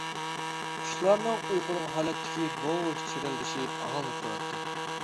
قۇشلارنىڭ ئۇيقۇلۇق ھالەتتىكى بوش چىرىلدىشى ئاڭلىنىپ تۇراتتى.